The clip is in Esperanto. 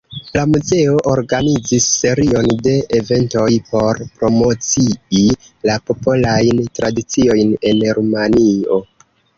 La muzeo organizis serion de eventoj por promocii la Popolajn Tradiciojn en Rumanio.